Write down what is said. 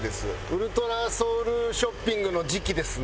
ウルトラソウルショッピングを？